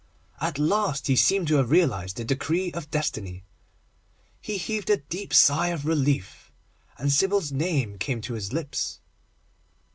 At last he seemed to have realised the decree of destiny. He heaved a deep sigh of relief, and Sybil's name came to his lips.